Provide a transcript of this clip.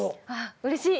うれしい。